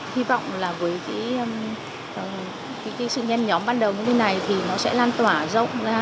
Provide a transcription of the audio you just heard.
hy vọng với sự nhanh nhóm ban đầu như thế này nó sẽ lan tỏa rộng ra